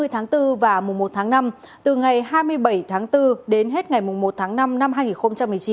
hai mươi tháng bốn và mùa một tháng năm từ ngày hai mươi bảy tháng bốn đến hết ngày một tháng năm năm hai nghìn một mươi chín